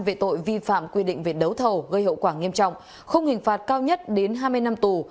về tội vi phạm quy định về đấu thầu gây hậu quả nghiêm trọng không hình phạt cao nhất đến hai mươi năm tù